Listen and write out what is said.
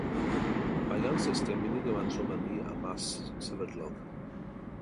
Mae gan system unig gyfanswm ynni a mas sefydlog.